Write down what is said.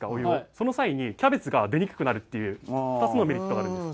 その際にキャベツが出にくくなるっていう２つのメリットがあるんです。